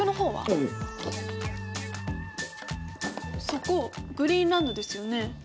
そこグリーンランドですよね？